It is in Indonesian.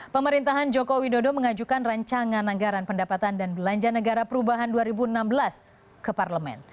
pemerintahan joko widodo mengajukan rancangan anggaran pendapatan dan belanja negara perubahan dua ribu enam belas ke parlemen